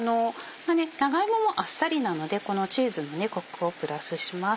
長芋もあっさりなのでこのチーズのコクをプラスします。